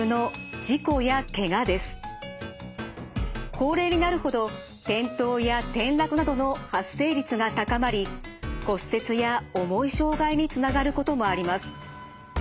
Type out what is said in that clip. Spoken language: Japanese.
高齢になるほど転倒や転落などの発生率が高まり骨折や重い障害につながることもあります。